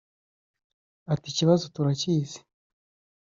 Ati “Ikibazo turakizi